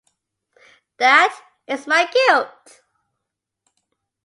"That" is my guilt!